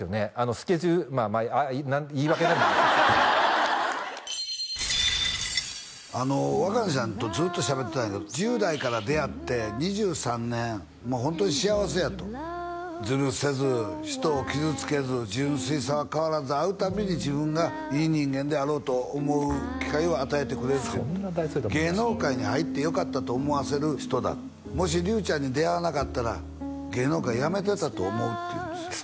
スケジュールまあまあ言い訳になる若菜ちゃんとずっとしゃべってたんやけど１０代から出会って２３年もうホントに幸せやとズルせず人を傷つけず純粋さは変わらず会う度に自分がいい人間であろうと思う機会を与えてくれるってそんな大それたものじゃ芸能界に入ってよかったと思わせる人だもし隆ちゃんに出会わなかったら芸能界やめてたと思うって言うんですよ